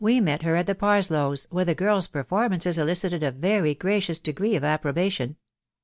met her at the Parslowes, where the girls' performances elicited a Tery gracious degree of approbation.